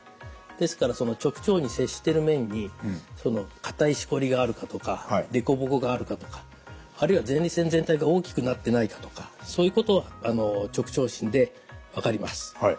ですからその直腸に接してる面に硬いしこりがあるかとか凸凹があるかとかあるいは前立腺全体が大きくなってないかとかそういうことは直腸診で分かります。